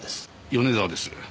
米沢です。